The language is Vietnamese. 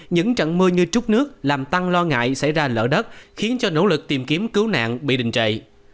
những trận mưa như chút nước làm tăng lo ngại xảy ra lỡ đất khiến cho nỗ lực tìm kiếm cứu nạn bị đình trệ